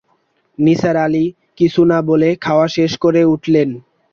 নিসার আলি কিছুনা-বলে খাওয়া শেষে করে উঠলেন।